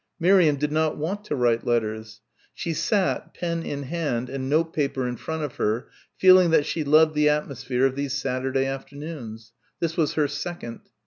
Miriam did not want to write letters. She sat, pen in hand, and note paper in front of her, feeling that she loved the atmosphere of these Saturday afternoons. This was her second.